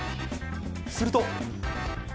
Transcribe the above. すると。